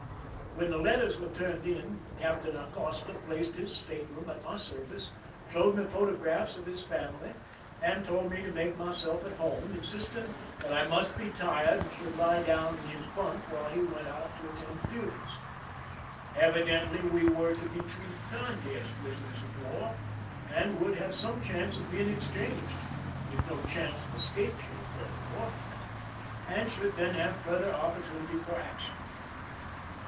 When the letters were turned in, Captain Acosta placed his state room at my service, showed me photographs of his family, and told me to make myself at home, insisting that I must be tired, and should lie down in his bunk while he went out to attend to duties. Evidently we were to be treated kindly as pris oners of war, and would have some chance of being exchanged,— if no chance of escape should occur beforehand, — and should then have further oppor tunity for action.